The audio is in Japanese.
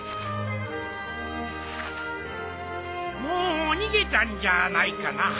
もう逃げたんじゃないかな。